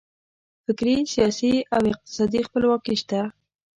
فکري، سیاسي او اقتصادي خپلواکي شته.